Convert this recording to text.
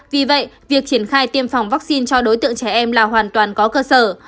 vì vậy việc triển khai tiêm phòng vaccine cho đối tượng trẻ em là hoàn toàn có cơ sở